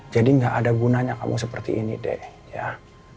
jadi gak ada gunanya kamu seperti ini deh